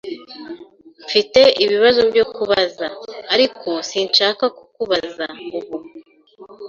Mfite ibibazo byo kubaza, ariko sinshaka kukubabaza ubu.